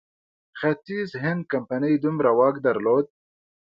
ختیځ هند کمپنۍ دومره واک درلود.